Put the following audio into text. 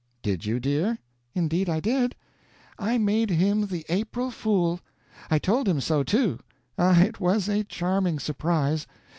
"Did you, dear?" "Indeed, I did. I made him the April fool! And I told him so, too! Ah, it was a charming surprise!